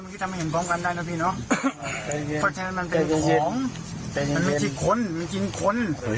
คุณผู้ชมค่ะ